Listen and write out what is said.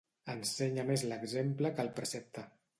Ensenya més l'exemple que el precepte.